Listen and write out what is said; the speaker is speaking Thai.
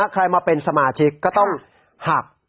ใครมาเป็นสมาชิกก็ต้องหัก